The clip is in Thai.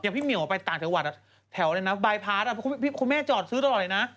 พี่เหมียวไปต่างจังหวัดแถวอะไรนะบายพาร์ทคุณแม่จอดซื้อตลอดเลยนะ